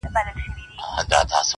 ستا هغه رنگين تصوير